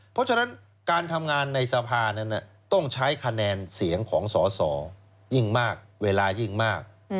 เพราะฉะนั้นการทำงานในสภานั้นต้องใช้คะแนนเสียงของสอสอยิ่งมากเวลายิ่งมาก